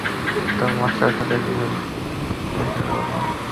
তোর মাস্টারের সাথে ভেলরে দেখা করব।